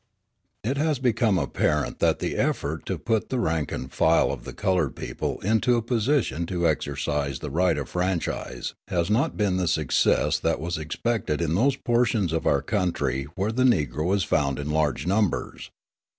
It has become apparent that the effort to put the rank and file of the coloured people into a position to exercise the right of franchise has not been the success that was expected in those portions of our country where the Negro is found in large numbers.